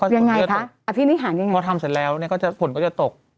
ยังไงคะอธินิหารยังไงพอทำเสร็จแล้วเนี่ยก็จะฝนก็จะตก